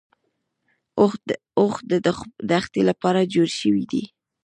اوښ د دښتې لپاره جوړ شوی دی